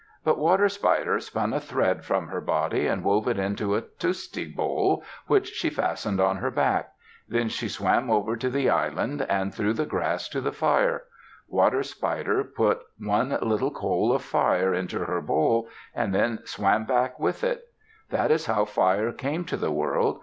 But Water Spider spun a thread from her body and wove it into a tusti bowl which she fastened on her back. Then she swam over to the island and through the grass to the fire. Water Spider put one little coal of fire into her bowl, and then swam back with it. That is how fire came to the world.